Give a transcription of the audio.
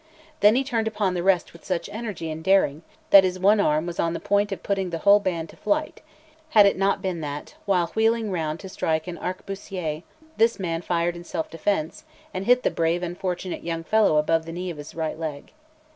Then he turned upon the rest with such energy and daring, that his one arm was on the point of putting the whole band to flight, had it not been that, while wheeling round to strike an arquebusier, this man fired in self defence, and hit the brave unfortunate young fellow above the knee of his right leg.